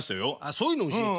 そういうの教えて。